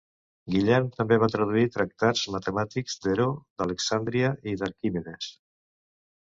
Guillem també va traduir tractats matemàtics d'Heró d'Alexandria i d'Arquimedes.